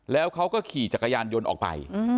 แล้วเขาก็ขี่จักรยานยนต์ออกไป